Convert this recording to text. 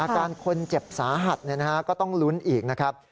อาการคนเจ็บสาหัสก็ต้องลุ้นอีกนะครับ